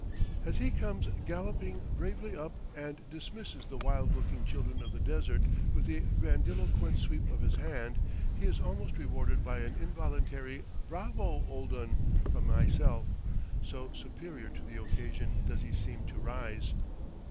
As he comes galloping bravely up and dismisses the wild looking children of the desert with a grandiloquent sweep of his hand, he is almost rewarded by an involuntary "bravo, old un!" from myself, so superior to the occasion does he seem to rise.